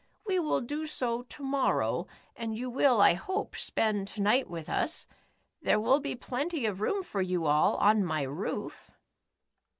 We will do so to morrow, and you will, I hope, spend to night with us? There will be plenty of room for you all on my roof."